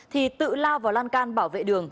thì tự lao vào lan can bảo vệ đường